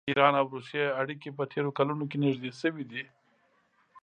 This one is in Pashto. د ایران او روسیې اړیکې په تېرو کلونو کې نږدې شوي دي.